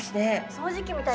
掃除機みたい。